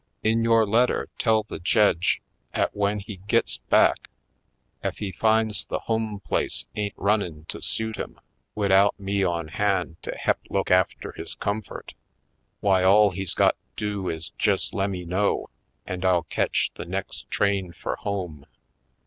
In yore letter tell the Jedge 'at w'en he gits back, ef he finds the home place ain't run nin' to suit him widout me on hand to he'p look after his comfort, w'y all he's got do is jest lemme know an' I'll ketch the next train fur home.